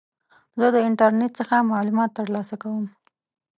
زه د انټرنیټ څخه معلومات ترلاسه کوم.